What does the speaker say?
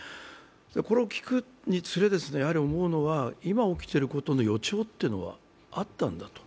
これを聞くにつれ思うのは、今起きていることの予兆はあったんだと。